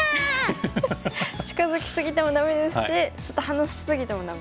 近づき過ぎてもダメですしちょっと離し過ぎてもダメ。